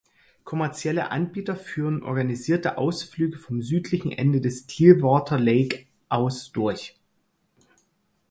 Kommerzielle Anbieter führen organisierte Ausflüge vom südlichen Ende des Clearwater Lake aus durch.